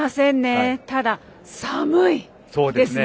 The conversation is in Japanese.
ただ、寒いですね。